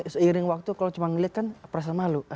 seiring waktu kalau cuma ngeliat kan perasaan malu